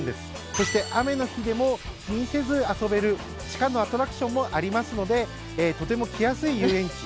そして、雨の日でも気にせず遊べる地下のアトラクションもありますのでとても来やすい遊園地。